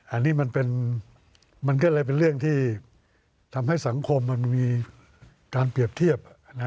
อันนี้มันก็เลยเป็นเรื่องที่ทำให้สังคมมันมีการเปรียบเทียบ